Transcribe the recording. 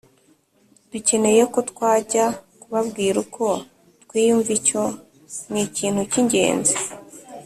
Ducyeneye ko twajya tubabwira uko twiyumva Icyo ni ikintu k’ ingenzi